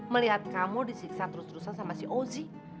melihat kamu disiksa terus terusan sama si ozi